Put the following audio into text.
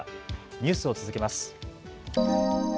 ニュースを続けます。